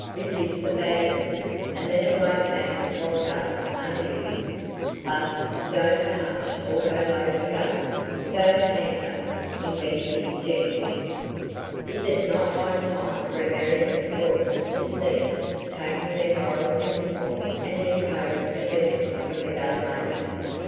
Reduce the bag limit, and then it won't matter what guns are used! But,—DON'T touch autoloading guns! Don't hamper Inventive Genius!" Is it not high time for American sportsmen to cease taking their moral principles and their codes of ethics from the gun makers?